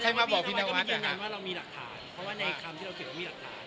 ใครมาบอกพี่เนวัตนะครับ